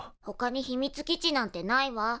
ほかに秘密基地なんてないわ。